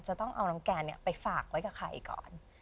จะต้องเอาน้ำแกนไปฝากไว้กับใครก่อน